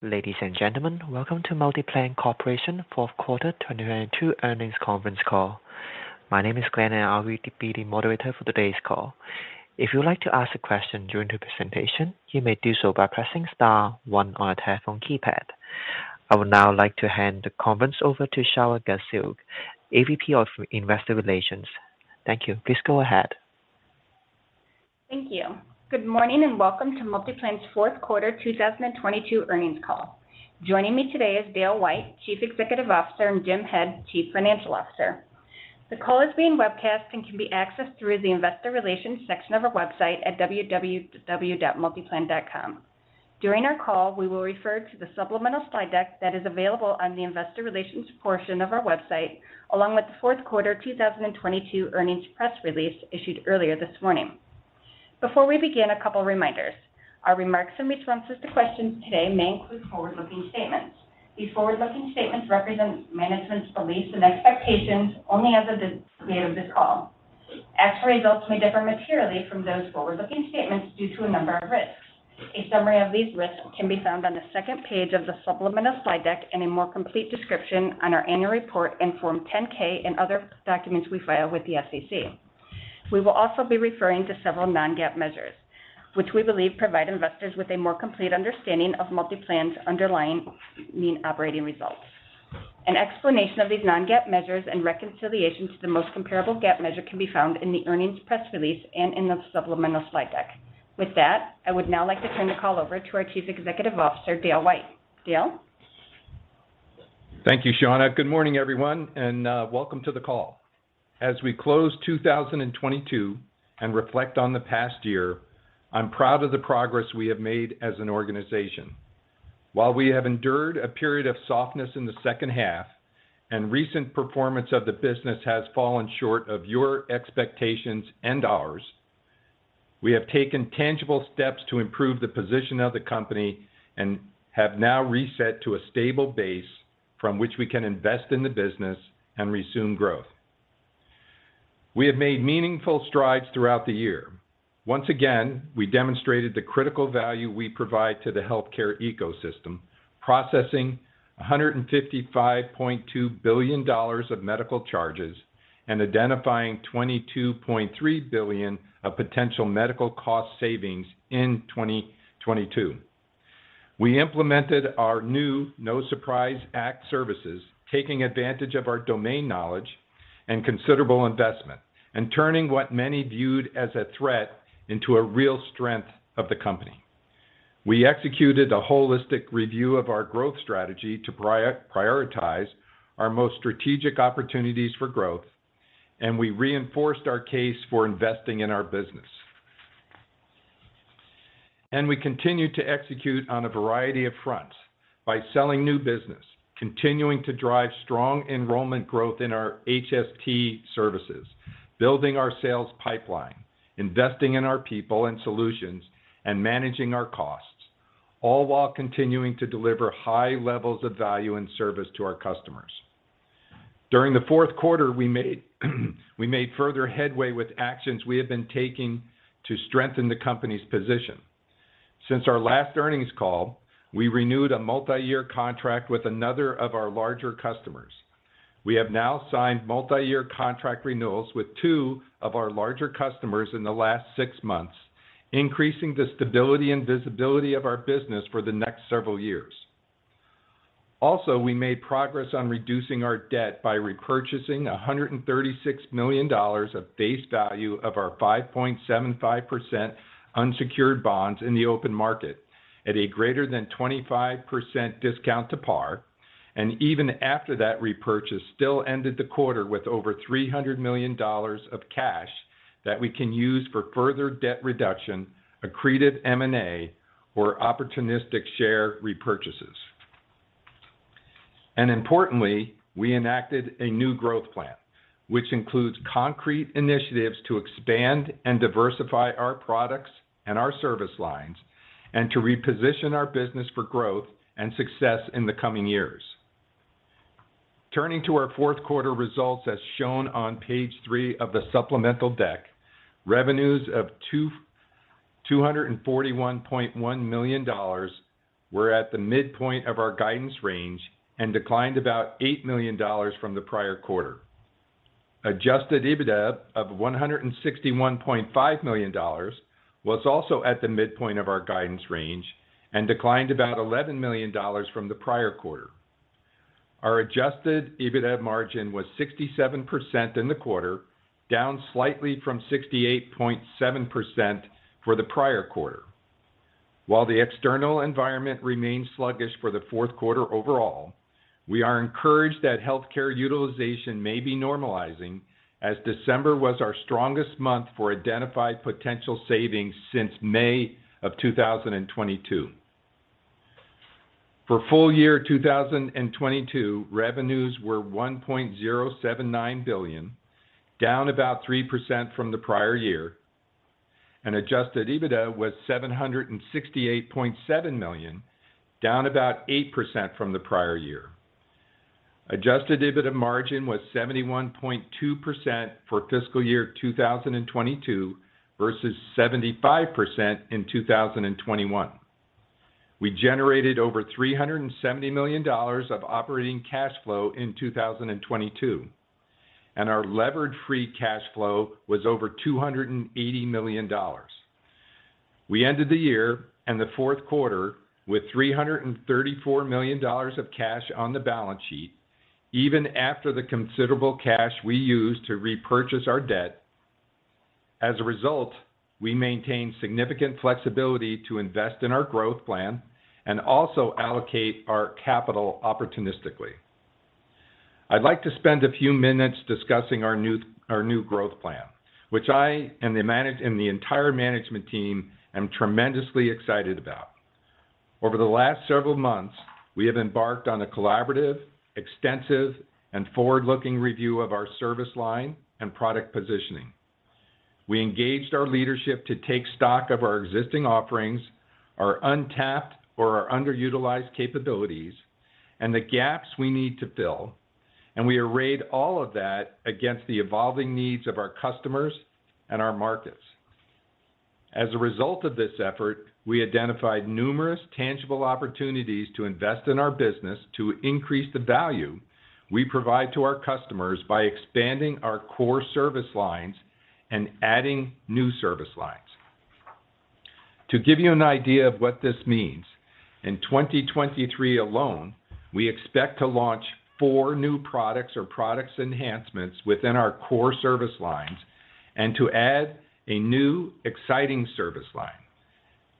Ladies and gentlemen, welcome to MultiPlan Corporation Fourth Quarter 2022 Earnings Conference Call. My name is Glenn, I'll be the moderator for today's call. If you'd like to ask a question during the presentation, you may do so by pressing star one on a telephone keypad. I would now like to hand the conference over to Shawna Gasik, AVP of Investor Relations. Thank you. Please go ahead. Thank you. Good morning and welcome to MultiPlan's fourth quarter 2022 earnings call. Joining me today is Dale White, Chief Executive Officer, and Jim Head, Chief Financial Officer. The call is being webcast and can be accessed through the investor relations section of our website at www.multiplan.com. During our call, we will refer to the supplemental slide deck that is available on the investor relations portion of our website, along with the fourth quarter 2022 earnings press release issued earlier this morning. Before we begin, a couple reminders. Our remarks in which answers to questions today may include forward-looking statements. These forward-looking statements represent management's beliefs and expectations only as of the date of this call. Actual results may differ materially from those forward-looking statements due to a number of risks. A summary of these risks can be found on the second page of the supplemental slide deck and a more complete description on our annual report and Form 10-K and other documents we file with the SEC. We will also be referring to several non-GAAP measures, which we believe provide investors with a more complete understanding of MultiPlan's underlying mean operating results. An explanation of these non-GAAP measures and reconciliation to the most comparable GAAP measure can be found in the earnings press release and in the supplemental slide deck. With that, I would now like to turn the call over to our Chief Executive Officer, Dale White. Dale? Thank you, Shawna. Good morning, everyone, and welcome to the call. As we close 2022 and reflect on the past year, I'm proud of the progress we have made as an organization. While we have endured a period of softness in the second half, and recent performance of the business has fallen short of your expectations and ours, we have taken tangible steps to improve the position of the company and have now reset to a stable base from which we can invest in the business and resume growth. We have made meaningful strides throughout the year. Once again, we demonstrated the critical value we provide to the healthcare ecosystem, processing $155.2 billion of medical charges and identifying $22.3 billion of potential medical cost savings in 2022. We implemented our new No Surprises Act services, taking advantage of our domain knowledge and considerable investment, turning what many viewed as a threat into a real strength of the company. We executed a holistic review of our growth strategy to prioritize our most strategic opportunities for growth. We reinforced our case for investing in our business. We continued to execute on a variety of fronts by selling new business, continuing to drive strong enrollment growth in our HST services, building our sales pipeline, investing in our people and solutions, and managing our costs, all while continuing to deliver high levels of value and service to our customers. During the fourth quarter, we made further headway with actions we have been taking to strengthen the company's position. Since our last earnings call, we renewed a multi-year contract with another of our larger customers. We have now signed multi-year contract renewals with two of our larger customers in the last six months, increasing the stability and visibility of our business for the next several years. We made progress on reducing our debt by repurchasing $136 million of base value of our 5.75% unsecured bonds in the open market at a greater than 25% discount to par, and even after that repurchase still ended the quarter with over $300 million of cash that we can use for further debt reduction, accretive M&A or opportunistic share repurchases. Importantly, we enacted a new growth plan, which includes concrete initiatives to expand and diversify our products and our service lines and to reposition our business for growth and success in the coming years. Turning to our fourth quarter results as shown on Page three of the supplemental deck, revenues of $241.1 million were at the midpoint of our guidance range and declined about $8 million from the prior quarter. Adjusted EBITDA of $161.5 million was also at the midpoint of our guidance range and declined about $11 million from the prior quarter. Our Adjusted EBITDA margin was 67% in the quarter, down slightly from 68.7% for the prior quarter. While the external environment remains sluggish for the fourth quarter overall, we are encouraged that healthcare utilization may be normalizing as December was our strongest month for identified potential savings since May of 2022. For full year 2022, revenues were $1.079 billion, down about 3% from the prior year, and Adjusted EBITDA was $768.7 million, down about 8% from the prior year. Adjusted EBITDA margin was 71.2% for fiscal year 2022 versus 75% in 2021. We generated over $370 million of operating cash flow in 2022, and our Levered Free Cash Flow was over $280 million. We ended the year and the fourth quarter with $334 million of cash on the balance sheet even after the considerable cash we used to repurchase our debt. As a result, we maintain significant flexibility to invest in our growth plan and also allocate our capital opportunistically. I'd like to spend a few minutes discussing our new growth plan, which I and the entire management team am tremendously excited about. Over the last several months, we have embarked on a collaborative, extensive, and forward-looking review of our service line and product positioning. We engaged our leadership to take stock of our existing offerings, our untapped or our underutilized capabilities, and the gaps we need to fill, and we arrayed all of that against the evolving needs of our customers and our markets. As a result of this effort, we identified numerous tangible opportunities to invest in our business to increase the value we provide to our customers by expanding our core service lines and adding new service lines. To give you an idea of what this means, in 2023 alone, we expect to launch four new products or products enhancements within our core service lines and to add a new exciting service line.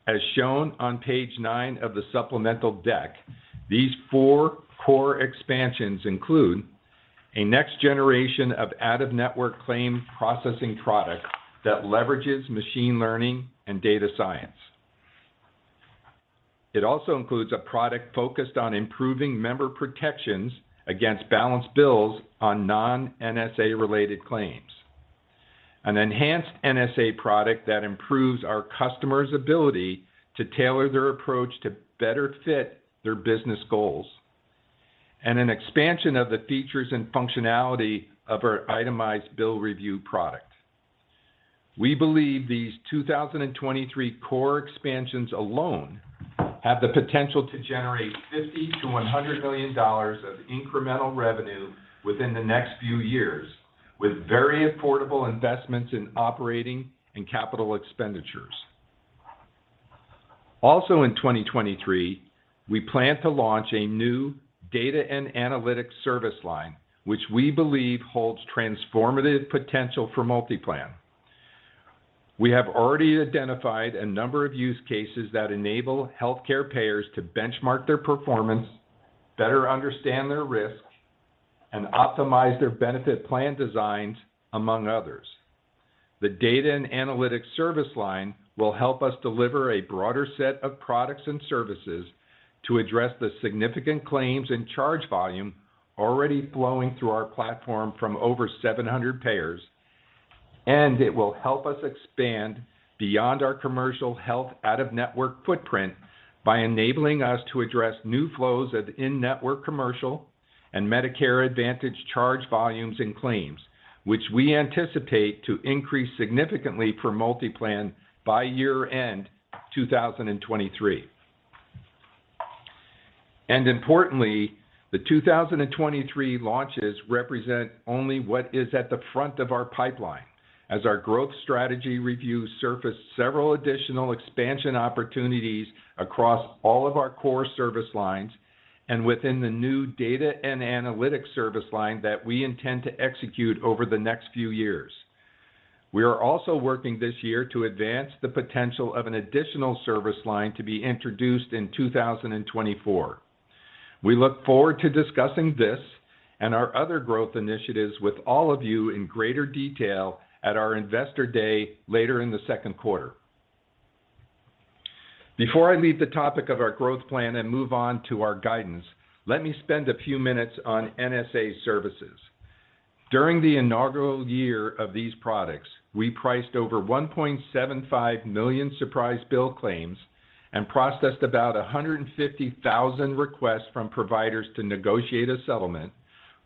As shown on Page nine of the supplemental deck, these four core expansions include a next generation of out of network claim processing product that leverages machine learning and data science. It also includes a product focused on improving member protections against balanced bills on non-NSA related claims. An enhanced NSA product that improves our customers' ability to tailor their approach to better fit their business goals. An expansion of the features and functionality of our itemized bill review product. We believe these 2023 core expansions alone have the potential to generate $50 million to $100 million of incremental revenue within the next few years with very affordable investments in operating and capital expenditures. In 2023, we plan to launch a new data and analytics service line, which we believe holds transformative potential for MultiPlan. We have already identified a number of use cases that enable healthcare payers to benchmark their performance, better understand their risk, and optimize their benefit plan designs, among others. The data and analytics service line will help us deliver a broader set of products and services to address the significant claims and charge volume already flowing through our platform from over 700 payers. It will help us expand beyond our commercial health out of network footprint by enabling us to address new flows of in-network commercial and Medicare Advantage charge volumes and claims, which we anticipate to increase significantly for MultiPlan by year end 2023. Importantly, the 2023 launches represent only what is at the front of our pipeline as our growth strategy review surfaced several additional expansion opportunities across all of our core service lines and within the new data and analytics service line that we intend to execute over the next few years. We are also working this year to advance the potential of an additional service line to be introduced in 2024. We look forward to discussing this and our other growth initiatives with all of you in greater detail at our Investor Day later in the second quarter. Before I leave the topic of our growth plan and move on to our guidance, let me spend a few minutes on NSA services. During the inaugural year of these products, we priced over 1.75 million surprise bill claims and processed about 150,000 requests from providers to negotiate a settlement,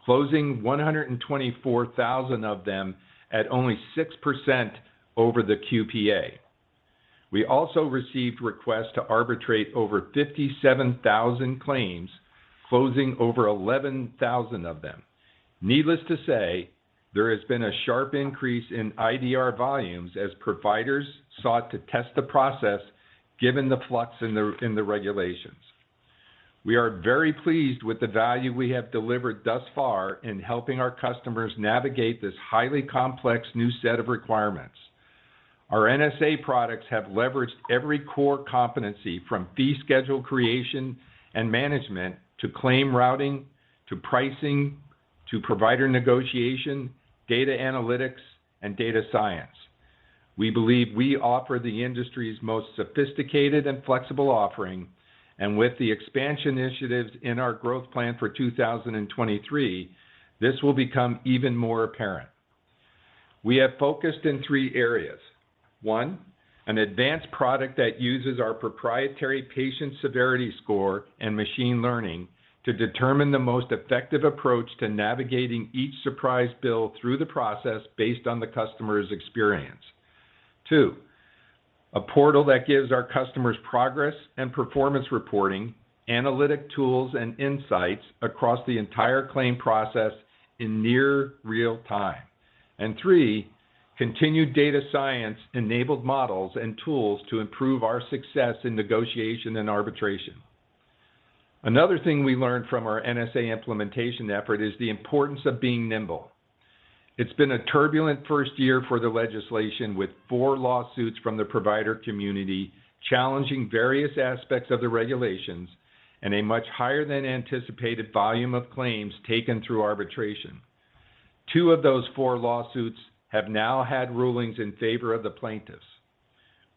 closing 124,000 of them at only 6% over the QPA. We also received requests to arbitrate over 57,000 claims, closing over 11,000 of them. Needless to say, there has been a sharp increase in IDR volumes as providers sought to test the process given the flux in the regulations. We are very pleased with the value we have delivered thus far in helping our customers navigate this highly complex new set of requirements. Our NSA products have leveraged every core competency from fee schedule creation and management to claim routing to pricing to provider negotiation, data analytics, and data science. We believe we offer the industry's most sophisticated and flexible offering. With the expansion initiatives in our growth plan for 2023, this will become even more apparent. We have focused in three areas. One, an advanced product that uses our proprietary patient severity score and machine learning to determine the most effective approach to navigating each surprise bill through the process based on the customer's experience. Two, a portal that gives our customers progress and performance reporting, analytic tools, and insights across the entire claim process in near real time. Three, continued data science-enabled models and tools to improve our success in negotiation and arbitration. Another thing we learned from our NSA implementation effort is the importance of being nimble. It's been a turbulent first year for the legislation, with four lawsuits from the provider community challenging various aspects of the regulations and a much higher than anticipated volume of claims taken through arbitration. Two of those four lawsuits have now had rulings in favor of the plaintiffs.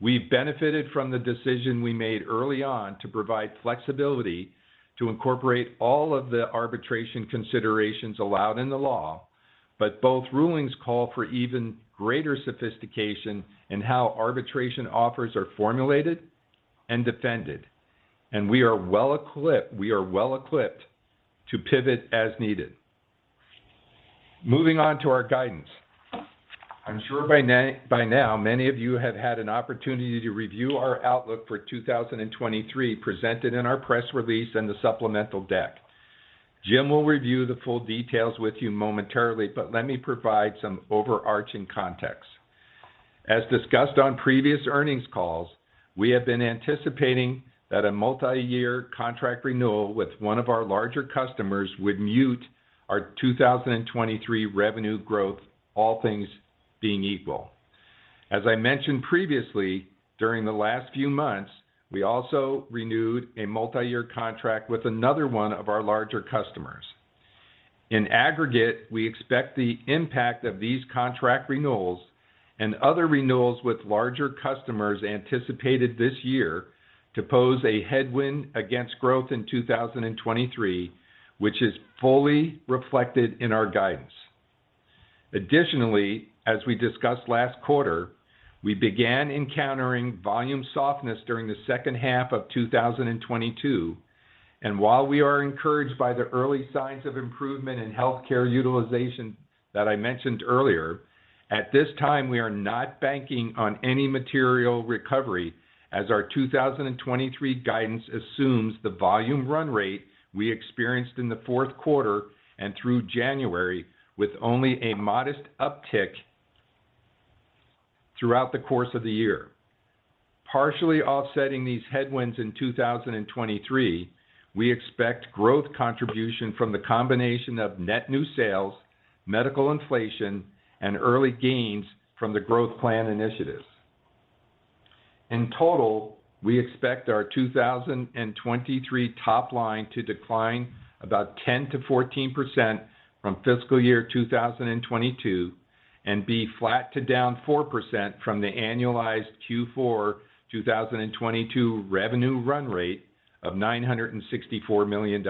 We've benefited from the decision we made early on to provide flexibility to incorporate all of the arbitration considerations allowed in the law, both rulings call for even greater sophistication in how arbitration offers are formulated and defended. We are well-equipped to pivot as needed. Moving on to our guidance. I'm sure by now, many of you have had an opportunity to review our outlook for 2023 presented in our press release and the supplemental deck. Jim will review the full details with you momentarily. Let me provide some overarching context. As discussed on previous earnings calls, we have been anticipating that a multi-year contract renewal with one of our larger customers would mute our 2023 revenue growth, all things being equal. As I mentioned previously, during the last few months, we also renewed a multi-year contract with another one of our larger customers. In aggregate, we expect the impact of these contract renewals and other renewals with larger customers anticipated this year to pose a headwind against growth in 2023, which is fully reflected in our guidance. As we discussed last quarter, we began encountering volume softness during the second half of 2022, and while we are encouraged by the early signs of improvement in healthcare utilization that I mentioned earlier, at this time, we are not banking on any material recovery as our 2023 guidance assumes the volume run rate we experienced in the fourth quarter and through January with only a modest uptick throughout the course of the year. Partially offsetting these headwinds in 2023, we expect growth contribution from the combination of net new sales, medical inflation, and early gains from the growth plan initiatives. In total, we expect our 2023 top line to decline about 10% to 14% from fiscal year 2022, and be flat to down 4% from the annualized Q4 2022 revenue run rate of $964 million.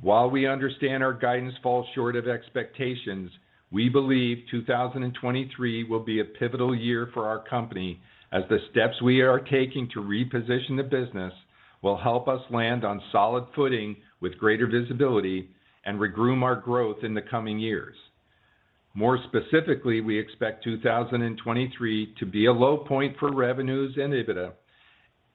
While we understand our guidance falls short of expectations, we believe 2023 will be a pivotal year for our company as the steps we are taking to reposition the business will help us land on solid footing with greater visibility and re-groom our growth in the coming years. More specifically, we expect 2023 to be a low point for revenues and EBITDA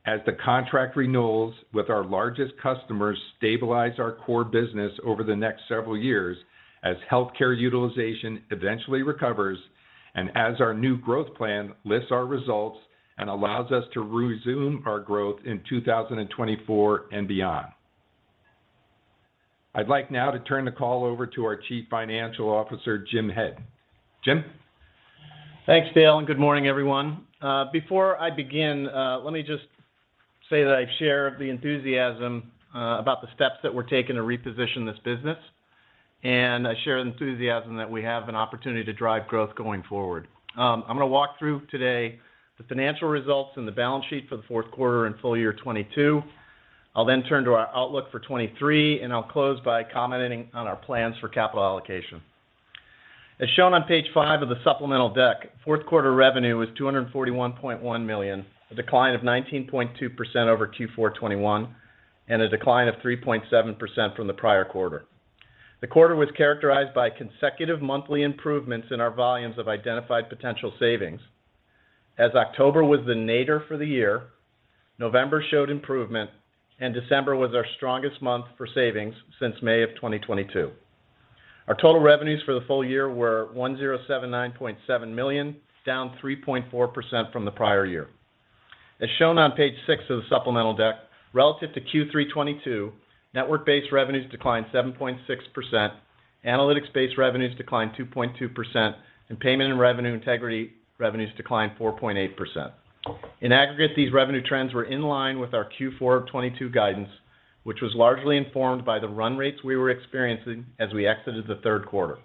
as the contract renewals with our largest customers stabilize our core business over the next several years as healthcare utilization eventually recovers and as our new growth plan lifts our results and allows us to resume our growth in 2024 and beyond. I'd like now to turn the call over to our Chief Financial Officer, Jim Head. Jim? Thanks, Dale, and good morning, everyone. Before I begin, let me just say that I share the enthusiasm about the steps that we're taking to reposition this business, and I share the enthusiasm that we have an opportunity to drive growth going forward. I'm gonna walk through today the financial results and the balance sheet for the fourth quarter and full year 2022. I'll then turn to our outlook for 2023, and I'll close by commenting on our plans for capital allocation. As shown on Page five of the supplemental deck, fourth quarter revenue was $241.1 million, a decline of 19.2% over Q4 2021, and a decline of 3.7% from the prior quarter. The quarter was characterized by consecutive monthly improvements in our volumes of identified potential savings. October was the nadir for the year, November showed improvement, December was our strongest month for savings since May of 2022. Our total revenues for the full year were $1,079.7 million, down 3.4% from the prior year. Shown on Page six of the supplemental deck, relative to Q3 2022, network-based revenues declined 7.6%, analytics-based revenues declined 2.2%, payment and revenue integrity revenues declined 4.8%. In aggregate, these revenue trends were in line with our Q4 2022 guidance, which was largely informed by the run rates we were experiencing as we exited the third quarter.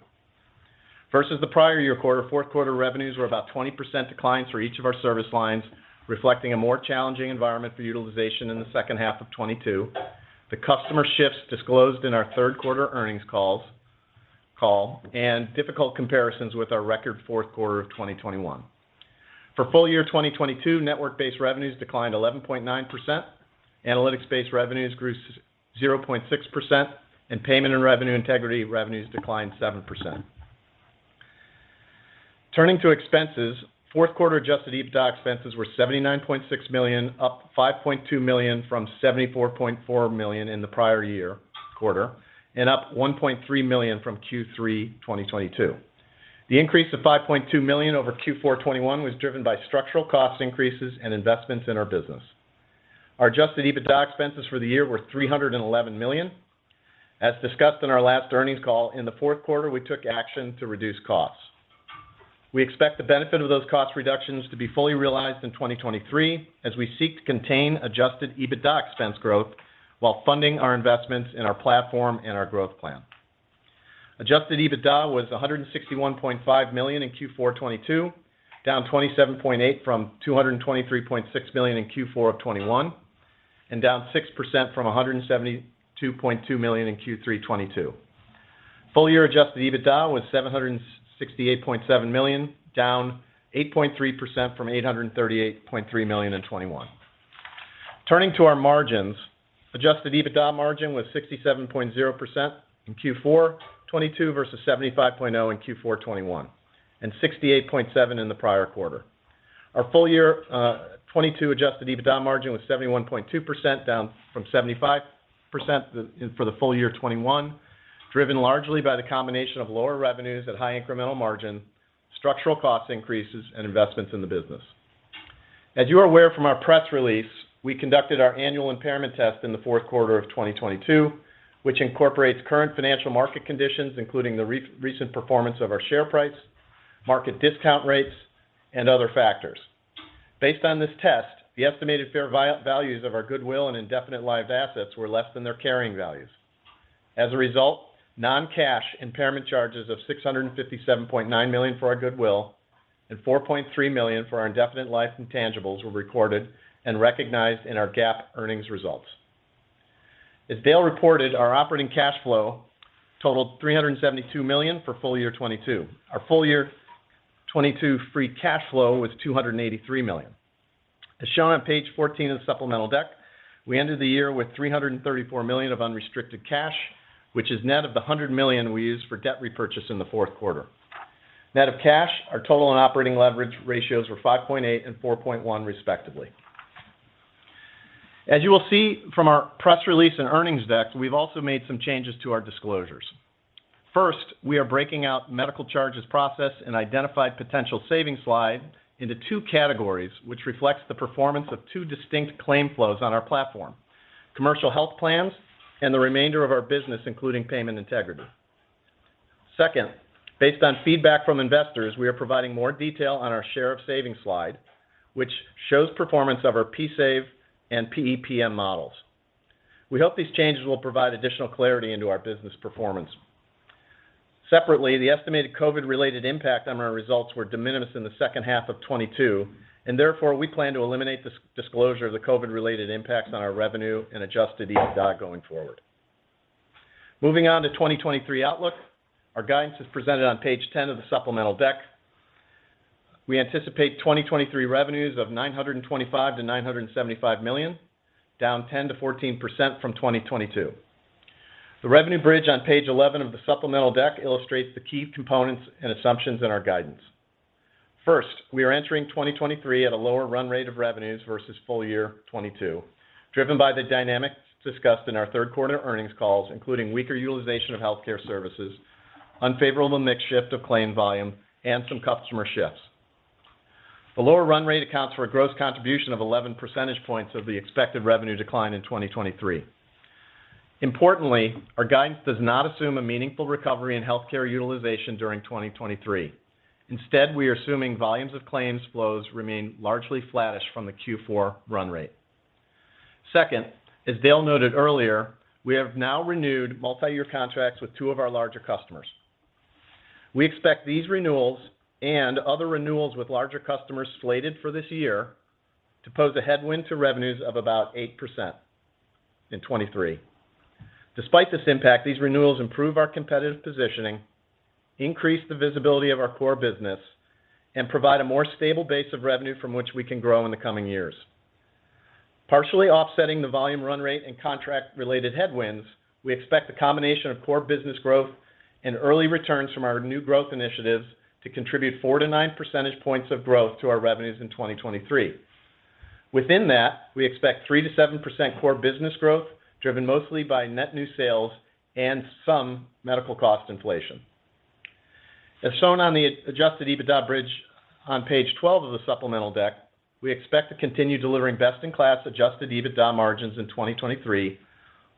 Versus the prior year quarter, fourth quarter revenues were about 20% declines for each of our service lines, reflecting a more challenging environment for utilization in the second half of 2022. The customer shifts disclosed in our third quarter earnings call, and difficult comparisons with our record fourth quarter of 2021. For full year 2022, network-based revenues declined 11.9%, analytics-based revenues grew 0.6%, and payment and revenue integrity revenues declined 7%. Turning to expenses, fourth quarter Adjusted EBITDA expenses were $79.6 million, up $5.2 million from $74.4 million in the prior year quarter, and up $1.3 million from Q3 2022. The increase of $5.2 million over Q4 2021 was driven by structural cost increases and investments in our business. Our Adjusted EBITDA expenses for the year were $311 million. As discussed in our last earnings call, in the fourth quarter, we took action to reduce costs. We expect the benefit of those cost reductions to be fully realized in 2023 as we seek to contain Adjusted EBITDA expense growth while funding our investments in our platform and our growth plan. Adjusted EBITDA was $161.5 million in Q4 2022, down 27.8% from $223.6 million in Q4 of 2021, and down 6% from $172.2 million in Q3 2022. Full year Adjusted EBITDA was $768.7 million, down 8.3% from $838.3 million in 2021. Turning to our margins, Adjusted EBITDA margin was 67.0% in Q4 2022 versus 75.0% in Q4 2021, and 68.7% in the prior quarter. Our full year 2022 Adjusted EBITDA margin was 71.2%, down from 75% for the full year 2021, driven largely by the combination of lower revenues at high incremental margin, structural cost increases, and investments in the business. As you are aware from our press release, we conducted our annual impairment test in the fourth quarter of 2022, which incorporates current financial market conditions, including the recent performance of our share price, market discount rates, and other factors. Based on this test, the estimated fair values of our Goodwill and indefinite life assets were less than their carrying values. Non-cash impairment charges of $657.9 million for our Goodwill and $4.3 million for our indefinite-lived intangibles were recorded and recognized in our GAAP earnings results. Dale reported, our operating cash flow totaled $372 million for full year 2022. Our full year 2022 free cash flow was $283 million. We ended the year with $334 million of unrestricted cash, which is net of the $100 million we used for debt repurchase in the fourth quarter. Net of cash, our total and operating leverage ratios were 5.8 and 4.1, respectively. We've also made some changes to our disclosures. We are breaking out medical charges processed and identified potential savings slide into two categories, which reflects the performance of two distinct claim flows on our platform, commercial health plans and the remainder of our business, including payment integrity. Based on feedback from investors, we are providing more detail on our share of savings slide, which shows performance of our P-Save and PEPM models. We hope these changes will provide additional clarity into our business performance. Separately, the estimated COVID-related impact on our results were de minimis in the second half of 22, and therefore, we plan to eliminate this disclosure of the COVID-related impacts on our revenue and Adjusted EBITDA going forward. Moving on to 2023 outlook, our guidance is presented on Page 10 of the supplemental deck. We anticipate 2023 revenues of $925 million-$975 million, down 10%-14% from 2022. The revenue bridge on Page 11 of the supplemental deck illustrates the key components and assumptions in our guidance. First, we are entering 2023 at a lower run rate of revenues versus full year 2022, driven by the dynamics discussed in our third quarter earnings calls, including weaker utilization of healthcare services, unfavorable mix shift of claim volume, and some customer shifts. The lower run rate accounts for a gross contribution of 11 percentage points of the expected revenue decline in 2023. Importantly, our guidance does not assume a meaningful recovery in healthcare utilization during 2023. Instead, we are assuming volumes of claims flows remain largely flattish from the Q4 run rate. Second, as Dale noted earlier, we have now renewed multiyear contracts with two of our larger customers. We expect these renewals and other renewals with larger customers slated for this year to pose a headwind to revenues of about 8% in 2023. Despite this impact, these renewals improve our competitive positioning, increase the visibility of our core business, and provide a more stable base of revenue from which we can grow in the coming years. Partially offsetting the volume run rate and contract-related headwinds, we expect the combination of core business growth and early returns from our new growth initiatives to contribute 4-9 percentage points of growth to our revenues in 2023. Within that, we expect 3%-7% core business growth, driven mostly by net new sales and some medical cost inflation. As shown on the Adjusted EBITDA bridge on Page 12 of the supplemental deck, we expect to continue delivering best-in-class Adjusted EBITDA margins in 2023,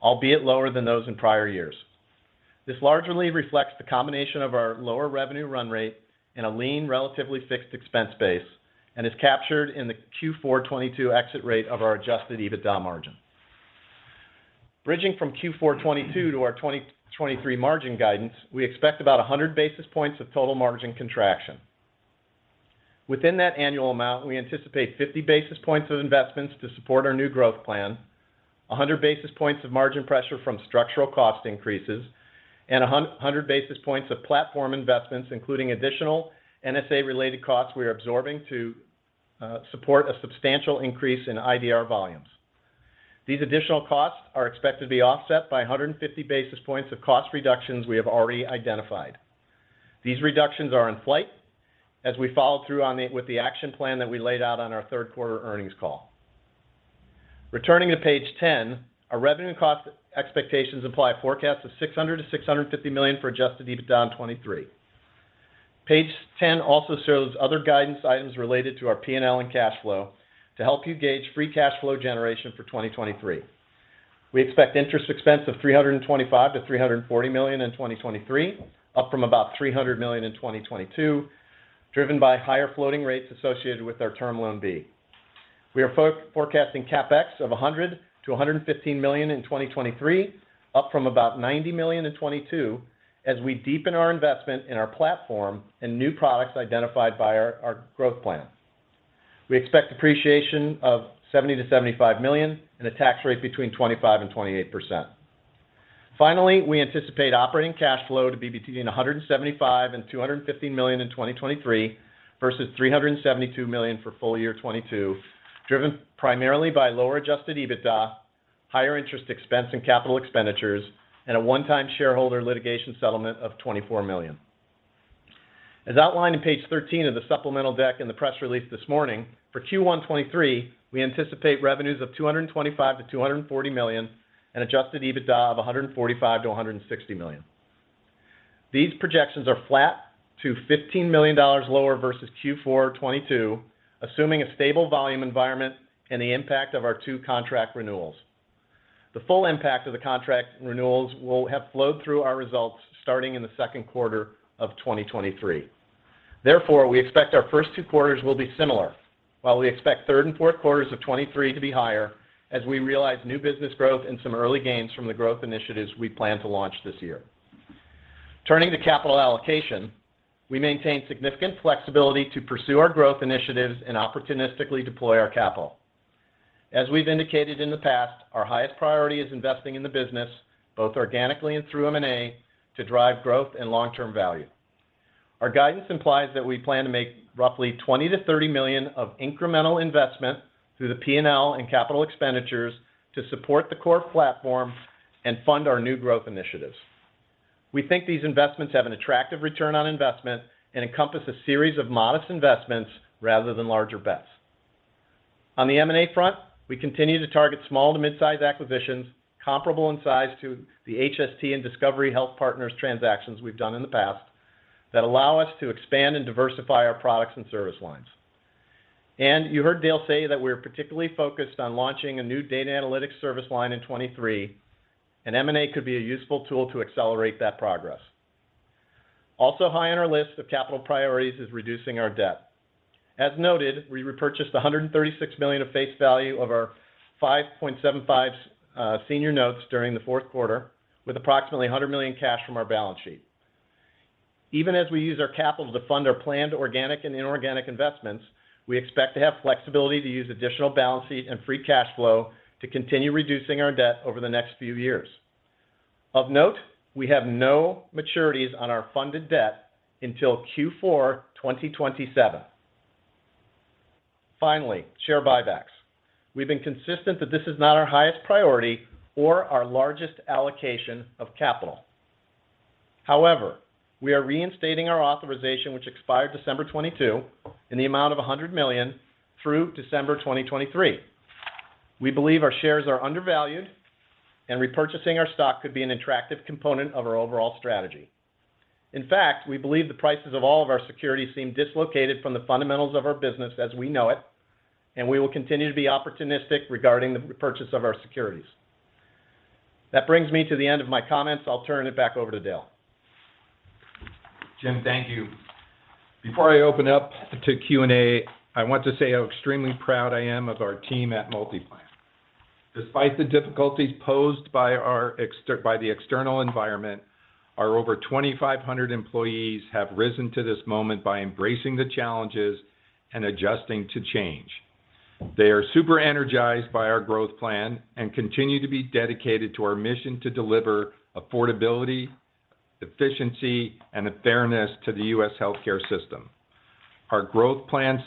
albeit lower than those in prior years. This largely reflects the combination of our lower revenue run rate and a lean, relatively fixed expense base, and is captured in the Q4 2022 exit rate of our Adjusted EBITDA margin. Bridging from Q4 2022 to our 2023 margin guidance, we expect about 100 basis points of total margin contraction. Within that annual amount, we anticipate 50 basis points of investments to support our new growth plan, 100 basis points of margin pressure from structural cost increases, and 100 basis points of platform investments, including additional NSA-related costs we are absorbing to support a substantial increase in IDR volumes. These additional costs are expected to be offset by 150 basis points of cost reductions we have already identified. These reductions are in flight as we follow through with the action plan that we laid out on our third quarter earnings call. Returning to Page 10, our revenue cost expectations imply a forecast of $600 million-$650 million for Adjusted EBITDA in 2023. Page 10 also shows other guidance items related to our P&L and cash flow to help you gauge free cash flow generation for 2023. We expect interest expense of $325 million-$340 million in 2023, up from about $300 million in 2022, driven by higher floating rates associated with our Term Loan B. We are forecasting CapEx of $100 million-$115 million in 2023, up from about $90 million in 2022, as we deepen our investment in our platform and new products identified by our growth plan. We expect depreciation of $70 million-$75 million and a tax rate between 25% and 28%. Finally, we anticipate operating cash flow to be between $175 million and $250 million in 2023 versus $372 million for full year 2022, driven primarily by lower Adjusted EBITDA, higher interest expense and capital expenditures, and a one-time shareholder litigation settlement of $24 million. As outlined in Page 13 of the supplemental deck in the press release this morning, for Q1 2023, we anticipate revenues of $225 million-$240 million and Adjusted EBITDA of $145 million-$160 million. These projections are flat to $15 million lower versus Q4 2022, assuming a stable volume environment and the impact of our two contract renewals. The full impact of the contract renewals will have flowed through our results starting in the second quarter of 2023. Therefore, we expect our first two quarters will be similar, while we expect third and fourth quarters of 2023 to be higher as we realize new business growth and some early gains from the growth initiatives we plan to launch this year. Turning to capital allocation, we maintain significant flexibility to pursue our growth initiatives and opportunistically deploy our capital. As we've indicated in the past, our highest priority is investing in the business, both organically and through M&A, to drive growth and long-term value. Our guidance implies that we plan to make roughly $20 million-$30 million of incremental investment through the P&L and capital expenditures to support the core platform and fund our new growth initiatives. We think these investments have an attractive return on investment and encompass a series of modest investments rather than larger bets. On the M&A front, we continue to target small to mid-size acquisitions comparable in size to the HST and Discovery Health Partners transactions we've done in the past that allow us to expand and diversify our products and service lines. You heard Dale say that we're particularly focused on launching a new data analytics service line in 2023, and M&A could be a useful tool to accelerate that progress. Also high on our list of capital priorities is reducing our debt. As noted, we repurchased $136 million of face value of our 5.75% senior notes during the fourth quarter with approximately $100 million cash from our balance sheet. Even as we use our capital to fund our planned organic and inorganic investments, we expect to have flexibility to use additional balance sheet and free cash flow to continue reducing our debt over the next few years. Of note, we have no maturities on our funded debt until Q4 2027. Finally, share buybacks. We've been consistent that this is not our highest priority or our largest allocation of capital. However, we are reinstating our authorization, which expired December 2022, in the amount of $100 million through December 2023. We believe our shares are undervalued, and repurchasing our stock could be an attractive component of our overall strategy. In fact, we believe the prices of all of our securities seem dislocated from the fundamentals of our business as we know it, and we will continue to be opportunistic regarding the repurchase of our securities. That brings me to the end of my comments. I'll turn it back over to Dale. Jim, thank you. Before I open up to Q&A, I want to say how extremely proud I am of our team at MultiPlan. Despite the difficulties posed by the external environment, our over 2,500 employees have risen to this moment by embracing the challenges and adjusting to change. They are super energized by our growth plan and continue to be dedicated to our mission to deliver affordability, efficiency, and fairness to the U.S. healthcare system. Our growth plan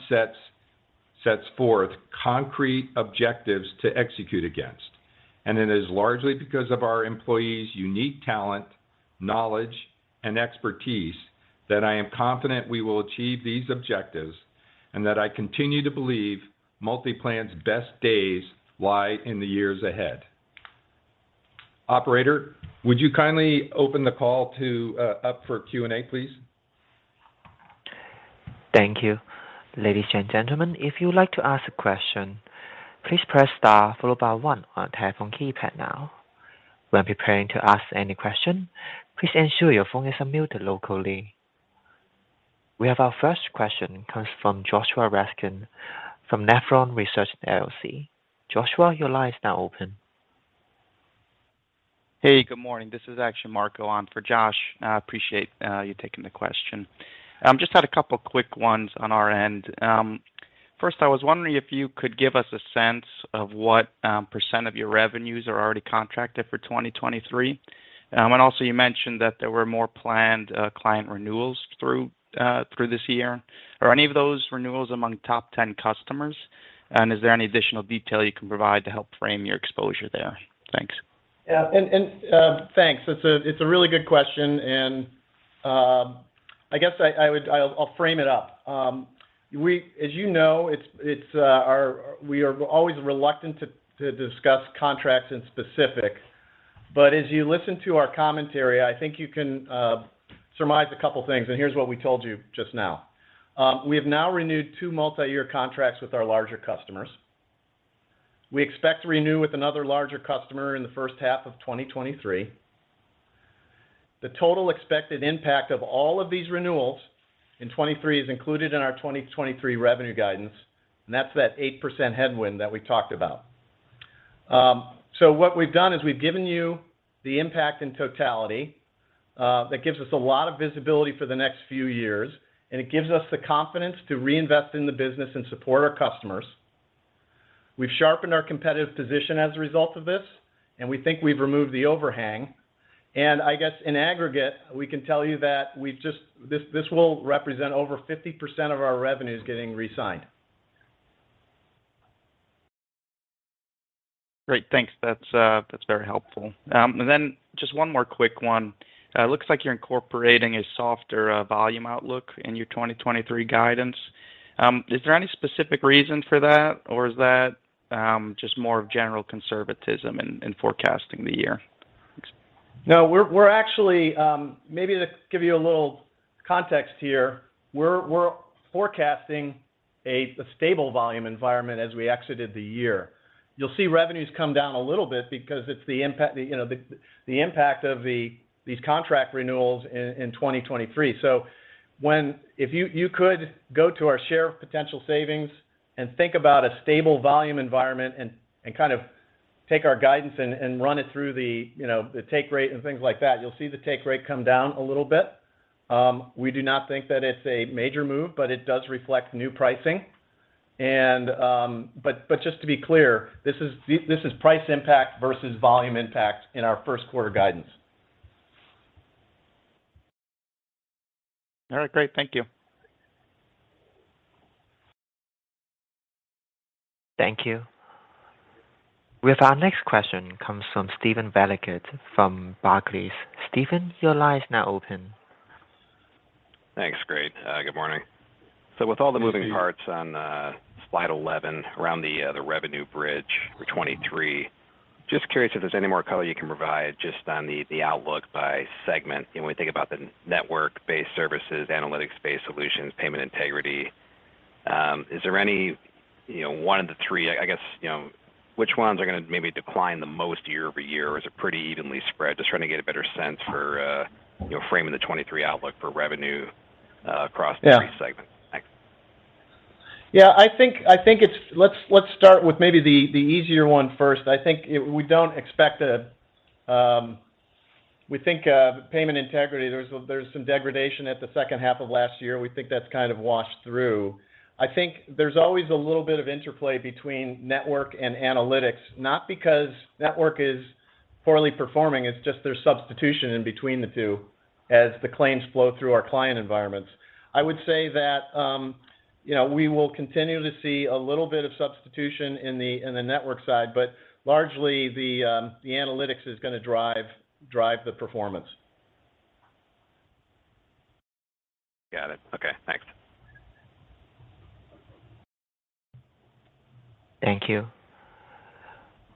sets forth concrete objectives to execute against, and it is largely because of our employees' unique talent, knowledge, and expertise that I am confident we will achieve these objectives and that I continue to believe MultiPlan's best days lie in the years ahead. Operator, would you kindly open the call up for Q&A, please? Thank you. Ladies and gentlemen, if you would like to ask a question, please press star followed by one on telephone keypad now. When preparing to ask any question, please ensure your phone is unmuted locally. We have our first question comes from Joshua Raskin from Nephron Research LLC. Joshua, your line is now open. Hey, good morning. This is actually Marco on for Josh. I appreciate you taking the question. Just had a couple quick ones on our end. First, I was wondering if you could give us a sense of what % of your revenues are already contracted for 2023. Also you mentioned that there were more planned client renewals through this year. Are any of those renewals among top 10 customers? Is there any additional detail you can provide to help frame your exposure there? Thanks. Yeah. Thanks. It's a really good question. I guess I'll frame it up. As you know, we are always reluctant to discuss contracts in specific. As you listen to our commentary, I think you can surmise a couple things, and here's what we told you just now. We have now renewed two multi-year contracts with our larger customers. We expect to renew with another larger customer in the first half of 2023. The total expected impact of all of these renewals in 2023 is included in our 2023 revenue guidance, and that's that 8% headwind that we talked about. What we've done is we've given you the impact in totality that gives us a lot of visibility for the next few years. It gives us the confidence to reinvest in the business and support our customers. We've sharpened our competitive position as a result of this, and we think we've removed the overhang. I guess in aggregate, we can tell you that we've just this will represent over 50% of our revenues getting resigned. Great. Thanks. That's very helpful. And then just one more quick one. It looks like you're incorporating a softer volume outlook in your 2023 guidance. Is there any specific reason for that, or is that just more of general conservatism in forecasting the year? Thanks. No, we're actually, maybe to give you a little context here. We're forecasting a stable volume environment as we exited the year. You'll see revenues come down a little bit because it's the impact, you know, the impact of these contract renewals in 2023. If you could go to our share potential savings and think about a stable volume environment and kind of take our guidance and run it through the, you know, the take rate and things like that. You'll see the take rate come down a little bit. We do not think that it's a major move, but it does reflect new pricing. But just to be clear, this is price impact versus volume impact in our first quarter guidance. All right, great. Thank you. Thank you. With our next question comes from Steven Valiquette from Barclays. Steven, your line is now open. Thanks. Great. good morning. Thank you. With all the moving parts on, slide 11 around the revenue bridge for 2023, just curious if there's any more color you can provide just on the outlook by segment. You know, when we think about the network-based services, analytics-based solutions, payment integrity, is there any, you know, one of the three, I guess, you know, which ones are gonna maybe decline the most year-over-year, or is it pretty evenly spread? Just trying to get a better sense for, you know, framing the 2023 outlook for revenue, across the three segments. Thanks. I think Let's start with maybe the easier one first. I think we don't expect a. We think payment integrity, there's some degradation at the second half of last year. We think that's kind of washed through. I think there's always a little bit of interplay between network and analytics, not because network is poorly performing, it's just there's substitution in between the two as the claims flow through our client environments. I would say that, you know, we will continue to see a little bit of substitution in the network side, but largely the analytics is gonna drive the performance. Got it. Okay, thanks. Thank you.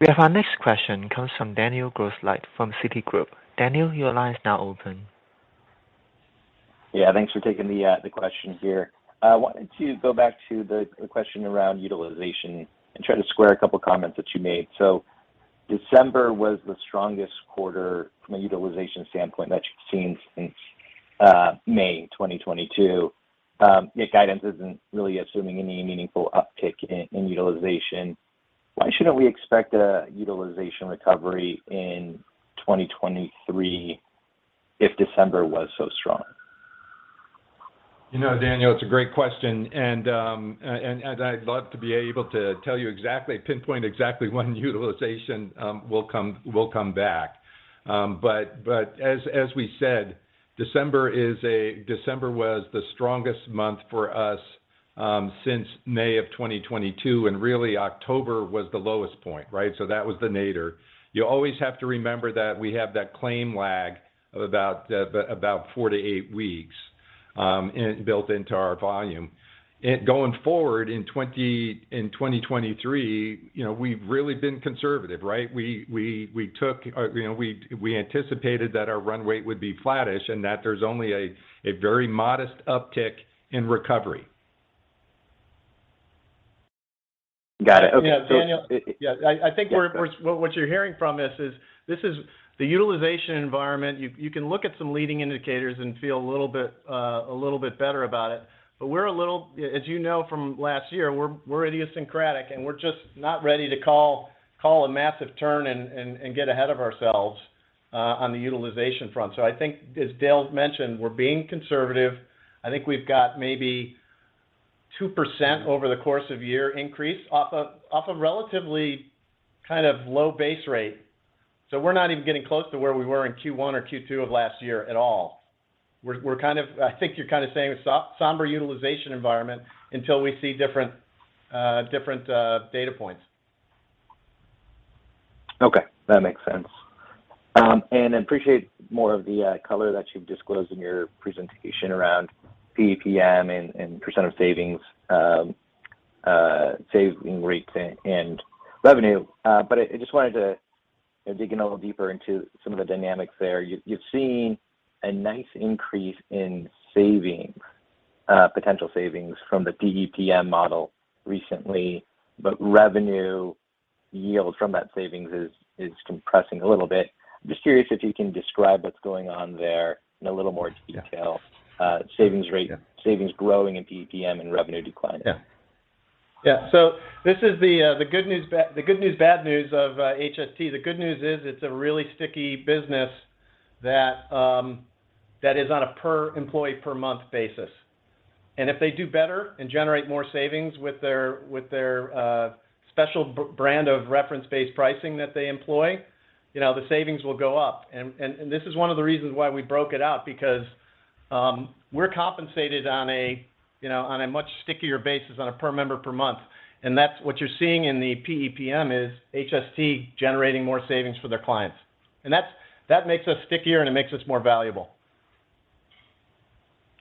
We have our next question comes from Daniel Grosslight from Citigroup. Daniel, your line is now open. Thanks for taking the question here. I wanted to go back to the question around utilization and try to square a couple comments that you made. December was the strongest quarter from a utilization standpoint that you've seen since May 2022. Your guidance isn't really assuming any meaningful uptick in utilization. Why shouldn't we expect a utilization recovery in 2023 if December was so strong? You know, Daniel, it's a great question, and I'd love to be able to tell you exactly, pinpoint exactly when utilization will come back. But as we said, December was the strongest month for us since May of 2022, and really October was the lowest point, right? That was the nadir. You always have to remember that we have that claim lag of about 4 to 8 weeks built into our volume. Going forward in 2023, you know, we've really been conservative, right? We anticipated that our run rate would be flattish and that there's only a very modest uptick in recovery. Got it. Okay. Yeah, Daniel- It, it- Yeah. I think we're what you're hearing from this is the utilization environment. You can look at some leading indicators and feel a little bit a little bit better about it. As you know, from last year, we're idiosyncratic, and we're just not ready to call a massive turn and get ahead of ourselves on the utilization front. I think, as Dale mentioned, we're being conservative. I think we've got maybe 2% over the course of year increase off a relatively kind of low base rate. We're not even getting close to where we were in Q1 or Q2 of last year at all. We're kind of I think you're kind of saying somber utilization environment until we see different different data points. Okay. That makes sense. Appreciate more of the color that you've disclosed in your presentation around PEPM and % of savings, saving rates and revenue. I just wanted to, you know, dig in a little deeper into some of the dynamics there. You've seen a nice increase in savings, potential savings from the PEPM model recently, but revenue yield from that savings is compressing a little bit. Just curious if you can describe what's going on there in a little more detail. savings rate- Yeah. Savings growing in PEPM and revenue declining. Yeah. Yeah. This is the good news, bad news of HST. The good news is it's a really sticky business that is on a per employee per month basis. If they do better and generate more savings with their special brand of reference-based pricing that they employ, you know, the savings will go up. This is one of the reasons why we broke it out, because we're compensated on a, you know, on a much stickier basis on a per member per month. That's what you're seeing in the PEPM is HST generating more savings for their clients. That makes us stickier, and it makes us more valuable.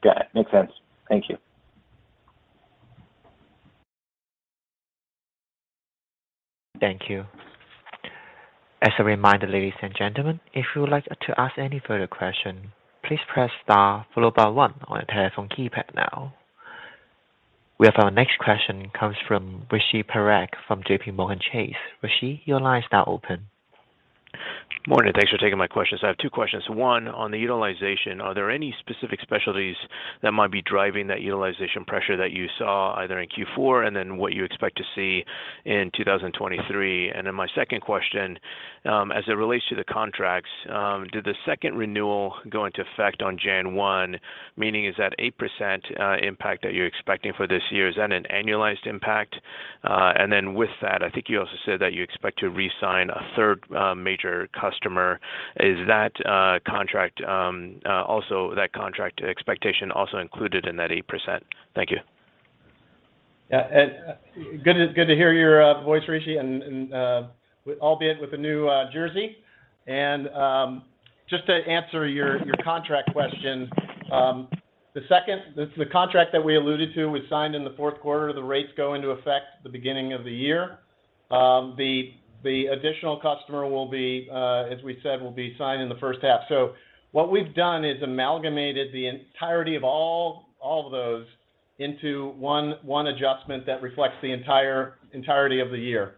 Got it. Makes sense. Thank you. Thank you. As a reminder, ladies and gentlemen, if you would like to ask any further question, please press star followed by 1 on your telephone keypad now. We have our next question comes from Rishi Parekh from JPMorgan Chase. Rishi, your line is now open. Morning. Thanks for taking my questions. I have two questions. One, on the utilization, are there any specific specialties that might be driving that utilization pressure that you saw either in Q4, and then what you expect to see in 2023? My second question, as it relates to the contracts, did the second renewal go into effect on Jan 1, meaning is that 8% impact that you're expecting for this year, is that an annualized impact? With that, I think you also said that you expect to re-sign a third major customer. Is that contract expectation also included in that 8%? Thank you. Good to hear your voice, Rishi, and, albeit with a new jersey. Just to answer your contract question, the contract that we alluded to, we signed in the fourth quarter. The rates go into effect the beginning of the year. The additional customer will be, as we said, will be signed in the first half. What we've done is amalgamated the entirety of all of those into one adjustment that reflects the entirety of the year.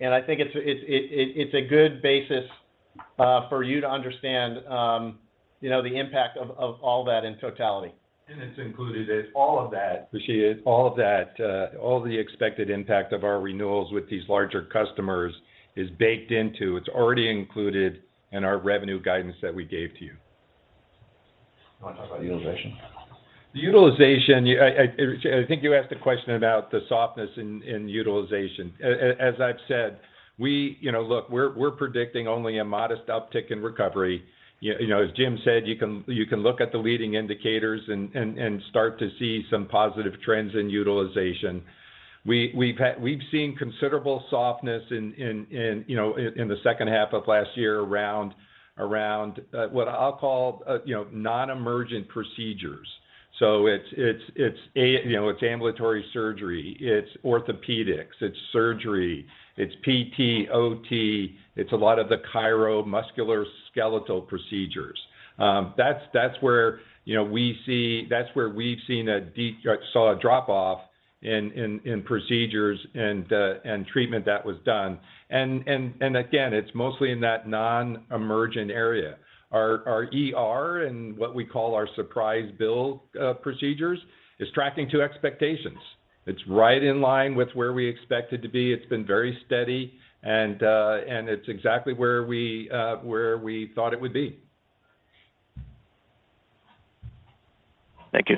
I think it's a good basis for you to understand, you know, the impact of all that in totality. It's included in all of that, Rishi, all the expected impact of our renewals with these larger customers is baked into. It's already included in our revenue guidance that we gave to you. Want to talk about utilization? Utilization, Rishi, I think you asked a question about the softness in utilization. As I've said, you know, look, we're predicting only a modest uptick in recovery. You know, as Jim said, you can look at the leading indicators and start to see some positive trends in utilization. We've seen considerable softness in, you know, in the second half of last year around what I'll call, you know, non-emergent procedures. It's a, you know, it's ambulatory surgery, it's orthopedics, it's surgery, it's PT, OT, it's a lot of the chiro musculoskeletal procedures. That's where, you know, we saw a drop-off in procedures and treatment that was done. Again, it's mostly in that non-emergent area. Our ER and what we call our surprise bill procedures is tracking to expectations. It's right in line with where we expect it to be. It's been very steady, and it's exactly where we thought it would be. Thank you.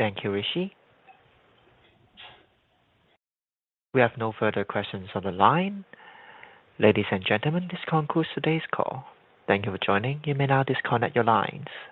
Thank you, Rishi. We have no further questions on the line. Ladies and gentlemen, this concludes today's call. Thank you for joining. You may now disconnect your lines.